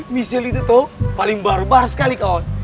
michelle itu tuh paling barbar sekali kawan